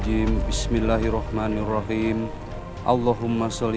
ini sebab lo yang selalu datang ke sini